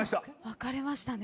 分かれましたね。